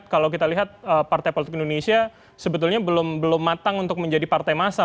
kalau kita lihat partai politik indonesia sebetulnya belum matang untuk menjadi partai massa